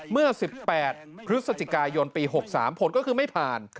เมื่อ๑๘พฤศจิกายนปี๖๓ผลก็คือไม่ผ่าน